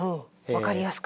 分かりやすく。